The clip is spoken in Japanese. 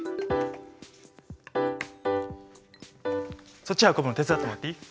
そっち運ぶの手伝ってもらっていい？